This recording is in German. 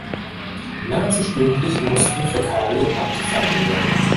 Nahezu stündlich mussten Fäkalien abgefahren werden.